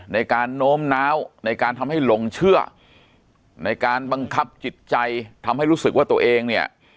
โน้มน้าวในการทำให้หลงเชื่อในการบังคับจิตใจทำให้รู้สึกว่าตัวเองเนี่ย